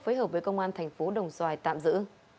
phối hợp với công an thành phố đồng xoài tạm giữ